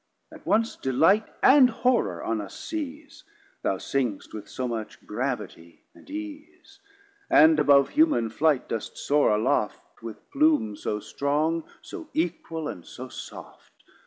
At once delight and horrour on us seise, Thou singst with so much gravity and ease; And above humane flight dost soar aloft With Plume so strong, so equal, and so soft.